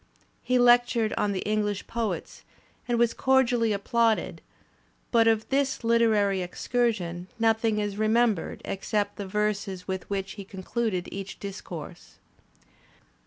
He lectured on the Eng lish poets and was cordially applauded, but of this Kteraiy excursion nothing is remembered except the verses with which he concluded each discourse.